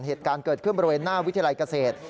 เหตุการณ์เกิดขึ้นบริเวณหน้าวิทยาลัยเกษตร